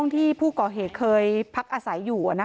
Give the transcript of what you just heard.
ที่ผู้ก่อเหตุเคยพักอาศัยอยู่